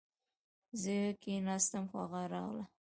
زه کښېناستم خو هغه راغله